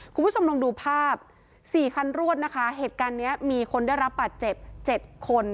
คุณผู้ชมลองดูภาพสี่คันรวดนะคะเหตุการณ์เนี้ยมีคนได้รับบาดเจ็บ๗คน